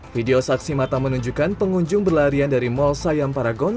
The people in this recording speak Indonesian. video saksi mata menunjukkan pengunjung berlarian dari mall sayam paragon